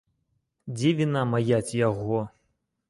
Дзе віна мая ці яго?